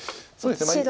そうですね。